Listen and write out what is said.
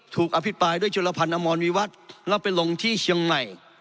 อภิปรายด้วยชุลพันธ์อมรวิวัตรแล้วไปลงที่เชียงใหม่